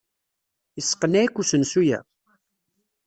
Yesseqneɛ-ik usensu-a?